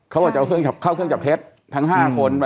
เขาบอกจะเอาเข้าเครื่องจับเท็จทั้ง๕คน